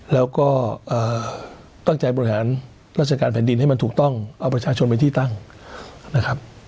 แล้วก็ตั้งใจบริหารราชการแผ่นดินให้มันถูกต้องเอาประชาชนเป็นที่ตั้งนะครับ